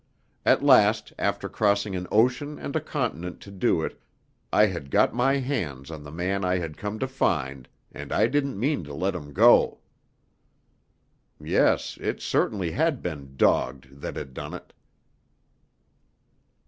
At last, after crossing an ocean and a continent to do it, I had got my hands on the man I had come to find, and I didn't mean to let him go. Yes, it certainly had been "dogged" that had done it.